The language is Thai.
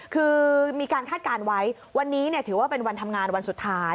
คือมีการคาดการณ์ไว้วันนี้ถือว่าเป็นวันทำงานวันสุดท้าย